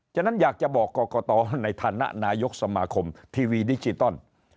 ฉะนั้นอยากจะบอกกรกตในฐานะนายกสมาคมทีวีดิจิตอล